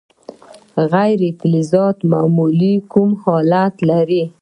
غیر فلزات معمولا کوم حالت لري.